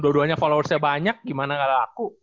dua duanya followersnya banyak gimana gara aku